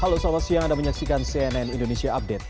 halo selamat siang anda menyaksikan cnn indonesia update